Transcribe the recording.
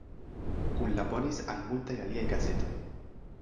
Kunlaboris al multaj aliaj gazetoj.